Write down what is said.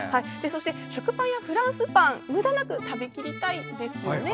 食パンやフランスパンむだなく食べきりたいですよね。